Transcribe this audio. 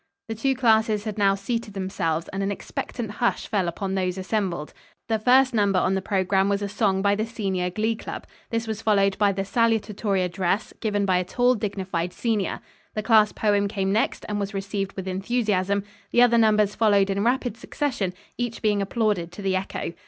The two classes had now seated themselves, and an expectant hush fell upon those assembled. The first number on the program was a song by the senior glee club. This was followed by the salutatory address, given by a tall dignified senior. The class poem came next, and was received with enthusiasm. The other numbers followed in rapid succession, each being applauded to the echo.